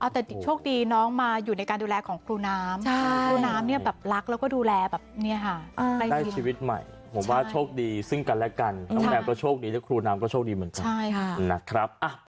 แต่โชคดีน้องมาอยู่ในการดูแลของครูน้ำครูน้ำเนี่ยแบบรักแล้วก็ดูแลแบบเนี่ยค่ะได้ชีวิตใหม่ผมว่าโชคดีซึ่งกันและกันน้องแมวก็โชคดีนะครูน้ำก็โชคดีเหมือนกันนะครับ